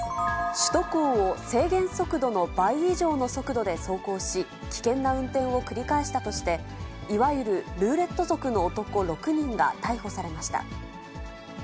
首都高を制限速度の倍以上の速度で走行し、危険な運転を繰り返したとして、いわゆるルーレット族の男６人が逮捕されました。